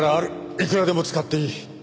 いくらでも使っていい。